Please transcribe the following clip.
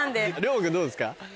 崚馬君どうですか？